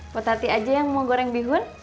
pokoknya tadi aja yang mau goreng bihun